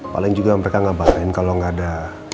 paling juga mereka ngabarin kalo ga ada